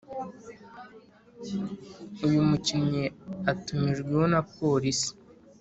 uyu mukinnyi atumijweho na Polisi